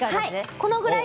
このぐらい。